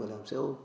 cảm xe ôm